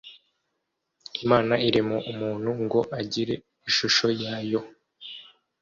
Imana irema umuntu ngo agire ishusho yayo